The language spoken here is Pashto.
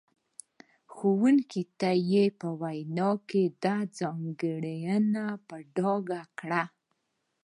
ښوونکو ته یې په وینا کې دا ځانګړنه په ډاګه کړه.